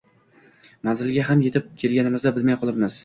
Manzilga ham etib kelganimizni bilmay qolibmiz